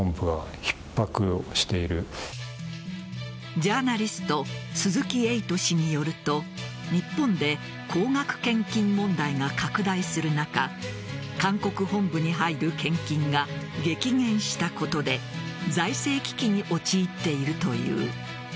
ジャーナリスト鈴木エイト氏によると日本で高額献金問題が拡大する中韓国本部に入る献金が激減したことで財政危機に陥っているという。